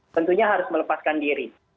tentunya harus melepaskan diri